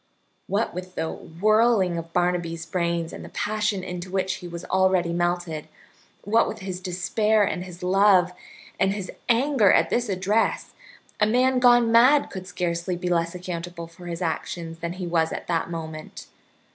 What with the whirling of Barnaby's brains and the passion into which he was already melted, what with his despair and his love, and his anger at this address, a man gone mad could scarcely be less accountable for his actions than was he at that moment.